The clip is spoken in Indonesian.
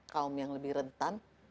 kaum yang lebih rentan